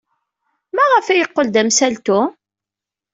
Maɣef ay yeqqel d amsaltu?